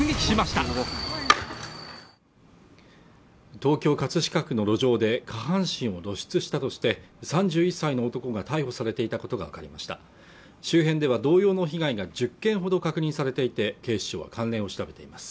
東京葛飾区の路上で下半身を露出したとして３１歳の男が逮捕されていたことが分かりました周辺では同様の被害が１０件ほど確認されていて警視庁は関連を調べています